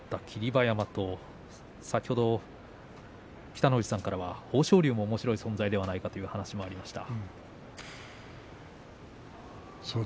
馬山先ほど北の富士さんからは豊昇龍もおもしろい存在ではないかというお話がありました。